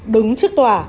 đứng trước tòa